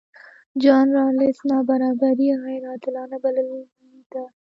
جان رالز نابرابري غیرعادلانه بللې ده.